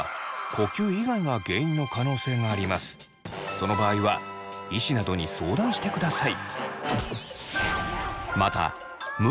その場合は医師などに相談してください。